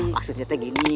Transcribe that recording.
maksudnya teh gini